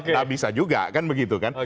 nggak bisa juga kan begitu kan